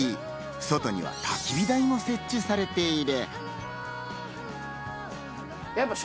外には、たき火台も設置されている。